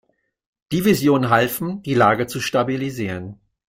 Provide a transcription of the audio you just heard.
Division halfen, die Lage zu stabilisieren.